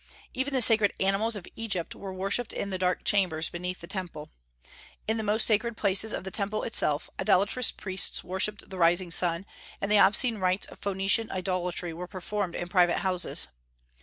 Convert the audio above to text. Even the sacred animals of Egypt were worshipped in the dark chambers beneath the Temple. In the most sacred places of the Temple itself idolatrous priests worshipped the rising sun, and the obscene rites of Phoenician idolatry were performed in private houses.